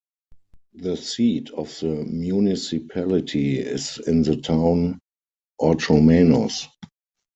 The seat of the municipality is in the town Orchomenos.